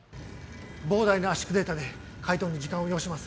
膨大な圧縮データで解凍に時間を要します。